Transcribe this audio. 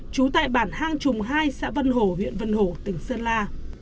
trú tại bản hang trùng hai xã vân hổ huyện vân hổ tỉnh sơn la